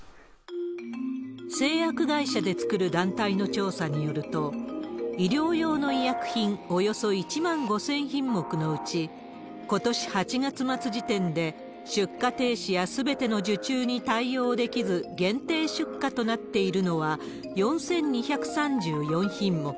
製薬会社で作る団体の調査によると、医療用の医薬品およそ１万５０００品目のうち、ことし８月末時点で出荷停止やすべての受注に対応できず、限定出荷となっているのは、４２３４品目。